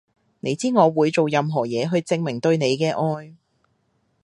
你知我會做任何嘢去證明對你嘅愛